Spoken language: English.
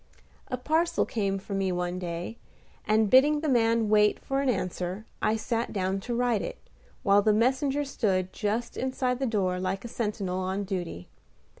A parcel came for me one day, and bidding the man wait for an answer, I sat down to write it, while the messenger stood just inside the door like a sentinel on duty.